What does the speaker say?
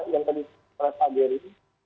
yang tadi saya sasari